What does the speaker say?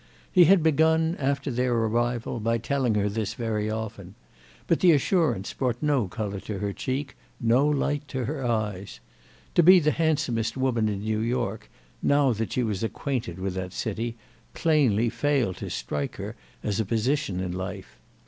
He had begun, after their arrival, by telling her this very often; but the assurance brought no colour to her cheek, no light to her eyes: to be the handsomest woman in New York, now that she was acquainted with that city, plainly failed to strike her as a position in life.